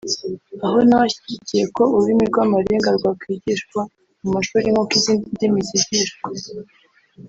aho nawe ashyigikiye ko ururimi rw’amarenga rwakwigishwa mu mashuri nk’uko izindi ndimi zigishwa